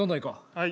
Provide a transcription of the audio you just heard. はい。